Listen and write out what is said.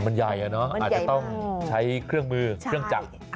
มันใหญ่อะเนาะอาจจะต้องใช้เครื่องมือเครื่องจักร